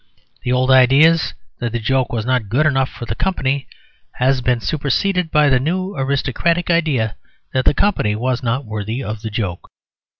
The old idea that the joke was not good enough for the company has been superseded by the new aristocratic idea that the company was not worthy of the joke.